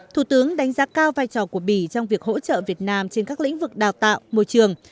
thủ tướng đánh giá cao vai trò của bỉ trong việc hỗ trợ việt nam trên các lĩnh vực đào tạo môi trường